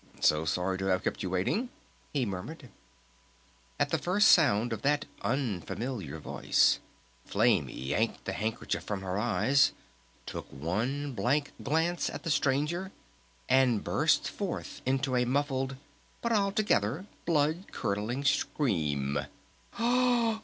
"... So sorry to have kept you waiting," he murmured. At the first sound of that unfamiliar voice, Flame yanked the handkerchief from her eyes, took one blank glance at the Stranger, and burst forth into a muffled, but altogether blood curdling scream.